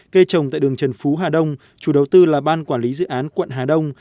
cây trồng tại đường trần phú hà đông chủ đầu tư là ban quản lý dự án quận hà đông